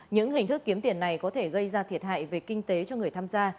những hình thức kiếm tiền này có thể gây ra thiệt hại về kinh tế cho người tham gia